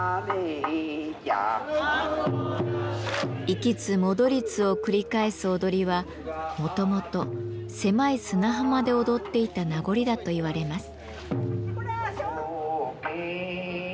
行きつ戻りつを繰り返す踊りはもともと狭い砂浜で踊っていた名残だといわれます。